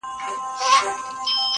• د پېریانانو ښار -